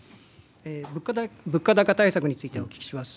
物価高対策についてお聞きします。